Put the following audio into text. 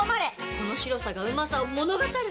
この白さがうまさを物語る。